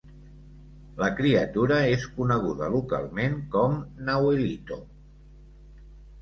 La "criatura" és coneguda localment com "Nahuelito".